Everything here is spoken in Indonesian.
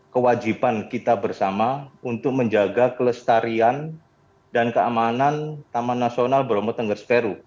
kewajiban kita bersama untuk menjaga kelestarian dan keamanan taman nasional bromo tengger smeru